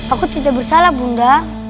aku tidak bersalah bunda